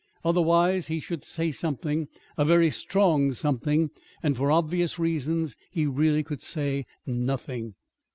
Otherwise he should say something a very strong something; and, for obvious reasons, he really could say nothing.